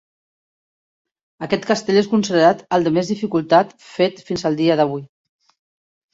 Aquest castell és considerat el de més dificultat fet fins al dia d'avui.